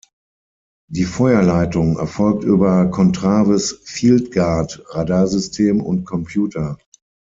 Die Feuerleitung erfolgt über Contraves-Fieldguard-Radarsystem und Computer.